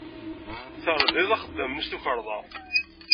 Terdiḍ axeddam-nni s tukerḍa.